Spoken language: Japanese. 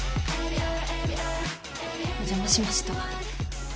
お邪魔しました。